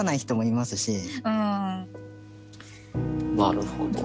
なるほど。